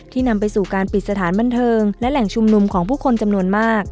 นำไปสู่การปิดสถานบันเทิงและแหล่งชุมนุมของผู้คนจำนวนมาก